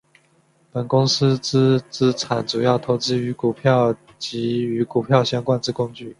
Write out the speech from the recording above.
本公司之资产主要投资于股票及与股票相关之工具。